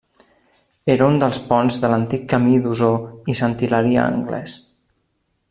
Era un dels ponts de l'antic camí d'Osor i Sant Hilari a Anglès.